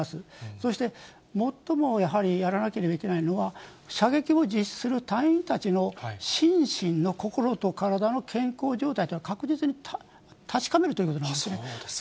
そして最もやはりやらなければいけないのは、射撃を実施する隊員たちの心身の心と体の健康状態というのは、確実に確かめるということなんですね。